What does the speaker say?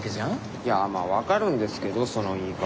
いやまぁ分かるんですけどその言い方。